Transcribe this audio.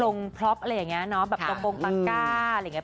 ตรงพล็อปอะไรอย่างเงี้ยเนาะตรงปลงปากก้า